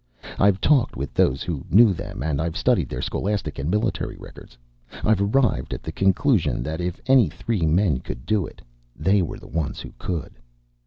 "I've talked with those who knew them and I've studied their scholastic and military records. I've arrived at the conclusion that if any three men could do it, they were the ones who could.